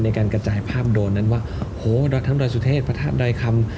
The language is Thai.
ในการกระจายภาพโดรนนั้นว่าโหดอยทั้งดอยสุเทพพระธาตุดอยคำ